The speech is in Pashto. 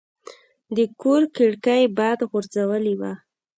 د کور کړکۍ باد غورځولې وه.